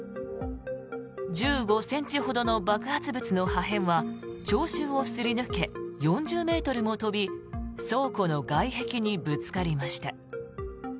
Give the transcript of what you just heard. １５ｃｍほどの爆発物の破片は聴衆をすり抜け４０ｍも飛び倉庫の外壁にぶつかりました。